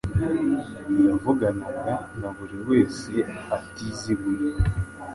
Yavuganaga na buri wese ataziguye